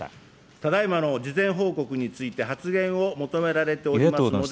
ただ今の事前報告について発言を求められておりますので。